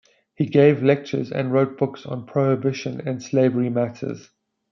He gave lectures and wrote books on prohibition and slavery matters.